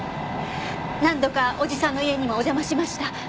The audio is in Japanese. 何度かおじさんの家にもお邪魔しました。